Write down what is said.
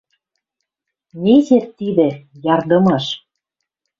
Незер тидӹ — ярдымаш...